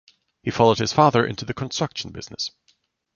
He followed his father into the construction business.